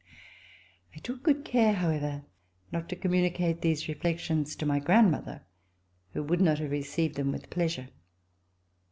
I took good care, however, not to communicate these reflections to my grandmother, who would not have received them with pleasure.